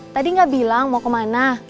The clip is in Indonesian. tadi nggak bilang mau kemana